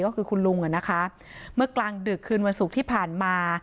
ก็คือคุณลุงอ่ะนะคะเมื่อกลางดึกคืนวันศุกร์ที่ผ่านมา